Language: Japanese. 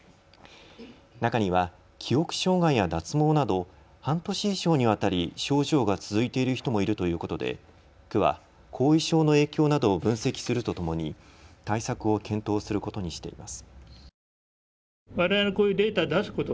中には記憶障害や脱毛など半年以上にわたり症状が続いている人もいるということで区は後遺症の影響などを分析するとともに対策を検討することにしています。